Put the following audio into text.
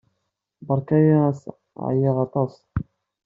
Beṛka-iyi ass-a. ɛyiɣ aṭas.